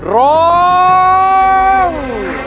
ร้อง